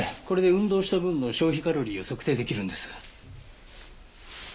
これで運動した分の消費カロリーを測定できるんです。